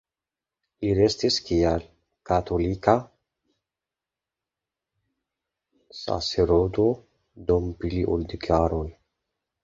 Li restis kiel katolika sacerdoto dum pli ol dek jaroj.